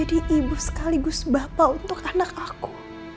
jadi ibu sekaligus bapak untuk anak aku